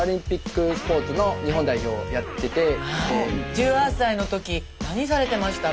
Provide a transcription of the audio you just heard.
１８歳の時何されてましたか？